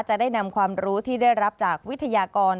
จะได้นำความรู้ที่ได้รับจากวิทยากร